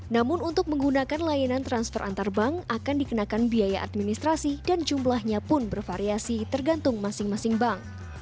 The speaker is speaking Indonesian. namun untuk menggunakan layanan transfer antar bank akan dikenakan biaya administrasi dan jumlahnya pun bervariasi tergantung masing masing bank